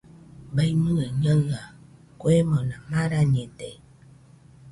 Baimɨe Ñaɨa kuemona marañede.